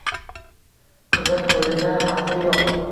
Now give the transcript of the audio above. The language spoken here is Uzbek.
Qiziq, qo‘lida hassa yo‘q.